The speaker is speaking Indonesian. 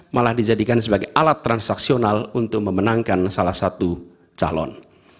malah dijadikan sebagai alat transaksional untuk memenangkan salah satu calon